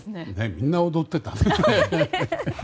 みんな踊っていたね。